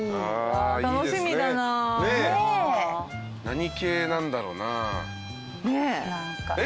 何系なんだろうな。